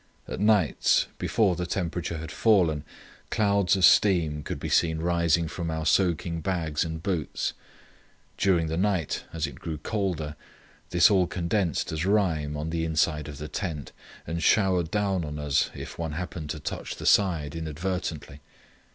At nights, before the temperature had fallen, clouds of steam could be seen rising from our soaking bags and boots. During the night, as it grew colder, this all condensed as rime on the inside of the tent, and showered down upon us if one happened to touch the side inadvertently.